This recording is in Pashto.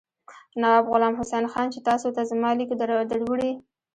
نواب غلام حسین خان چې تاسو ته زما لیک دروړي.